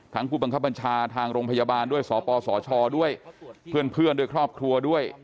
ผู้บังคับบัญชาทางโรงพยาบาลด้วยสปสชด้วยเพื่อนด้วยครอบครัวด้วย